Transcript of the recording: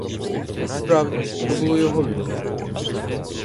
Справді, то було його вікно.